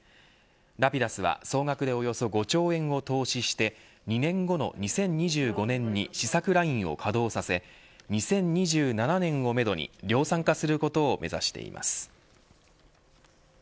ラピダスは総額でおよそ５兆円を投資して２年後の２０２５年に試作ラインを稼働させ２０２７年をめどに量産化することを目指しています。